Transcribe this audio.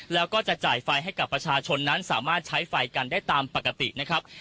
แล้วก็จะจ่ายไฟให้กับประชาชนนั้นสามารถใช้ไฟกันได้ตามปกตินะครับ